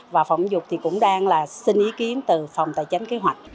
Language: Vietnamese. và phòng giáo dục thì cũng đang xin ý kiến từ phòng tài chánh kế hoạch